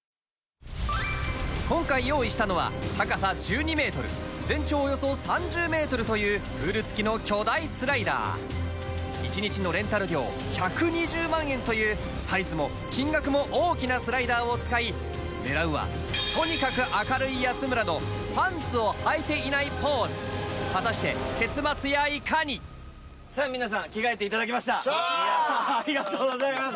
今回用意したのは高さ１２メートル全長およそ３０メートルというプール付きの巨大スライダー１日のレンタル料１２０万円というサイズも金額も大きなスライダーを使い狙うはとにかく明るい安村のパンツをはいていないポーズ果たして結末やいかにさあ皆さん着替えていただきましたありがとうございます